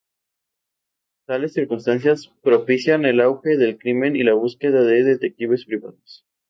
Tales circunstancias propiciaban el auge del crimen y la búsqueda de detectives privados.